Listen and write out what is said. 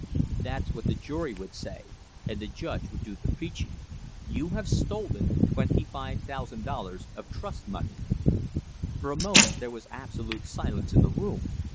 "That's what the jury would say, and the judge would do the preaching. You have stolen twenty five thousand dollars of trust moneys!" For a moment there was absolute silence in the room.